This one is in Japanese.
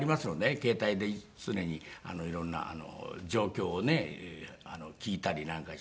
携帯で常に色んな状況をね聞いたりなんかして。